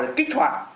để kích hoạt